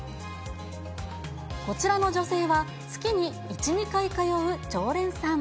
こちらの女性は、月に１、２回通う常連さん。